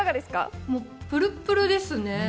もうプルップルですね。